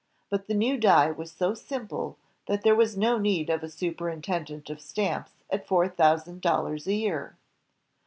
But the new die was so simple that there was no need of a superintendent of stamps at four thousand dollars a year.